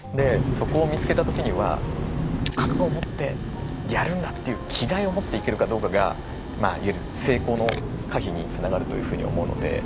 そこを見つけた時には覚悟を持ってやるんだっていう気概を持っていけるかどうかがいわゆる成功の可否につながるというふうに思うので。